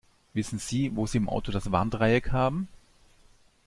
Wissen Sie, wo sie im Auto das Warndreieck haben?